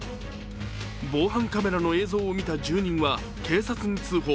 防犯カメラの映像を見た住人は警察に通報。